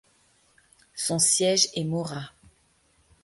Son siège est Mora.